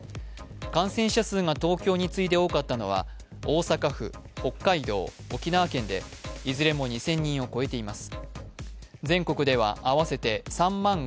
感染者数が東京に次いで多かったのは大阪府、北海道、沖縄県でいずれも２０００人を超えています。